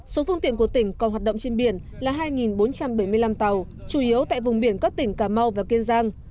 số phương tiện của tỉnh còn hoạt động trên biển là hai bốn trăm bảy mươi năm tàu chủ yếu tại vùng biển các tỉnh cà mau và kiên giang